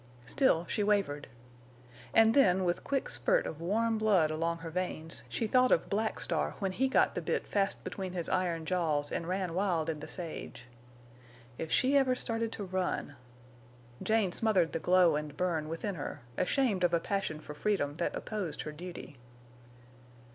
Still she wavered. And then, with quick spurt of warm blood along her veins, she thought of Black Star when he got the bit fast between his iron jaws and ran wild in the sage. If she ever started to run! Jane smothered the glow and burn within her, ashamed of a passion for freedom that opposed her duty.